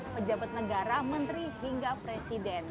pejabat negara menteri hingga presiden